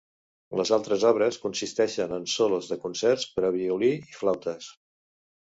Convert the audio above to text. Les altres obres consisteixen en solos de concerts per a violí i flautes.